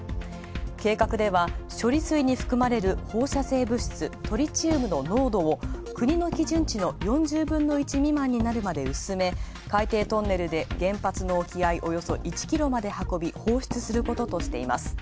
計画では処理水に含まれる放射性物質トリチウムの濃度を国の基準値の４０分の１未満になるまでうすめ、海底トンネルで原発の沖合いおよそ１キロまで運び、放出することとしています。